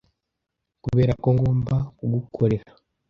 kubera ko ngomba kugukorera